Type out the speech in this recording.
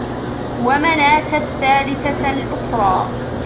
وَمَنَاةَ الثَّالِثَةَ الأُخْرَى